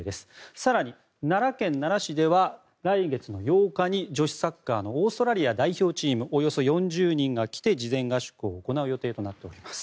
更に、奈良県奈良市では来月８日に女子サッカーのオーストラリア代表チームおよそ４０人が来て事前合宿を行う予定となっています。